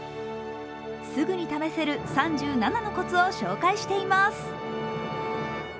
すぐに試せる３７のコツを紹介しています。